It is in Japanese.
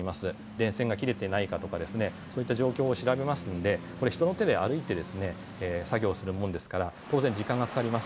電線が切れていないかとかそういった状況を調べますので人の手で歩いて作業をするものですから当然時間がかかります。